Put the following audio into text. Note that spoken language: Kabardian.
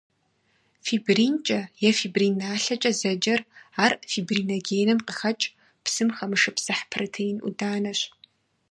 Фибринкӏэ е фибрин налъэкӏэ зэджэр — ар фибриногеным къыхэкӏ, псым хэмышыпсыхь протеин ӏуданэщ.